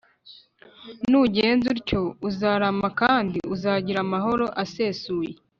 Nugenza utyo uzarama kandi uzagira amahoro asesuye